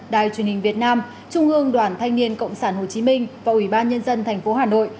đài truyền hình việt nam trung ương đoàn thanh niên cộng sản hồ chí minh và ủy ban nhân dân tp hà nội